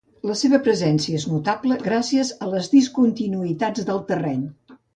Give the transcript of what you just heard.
La seva presència és notable gràcies a les discontinuïtats del terreny.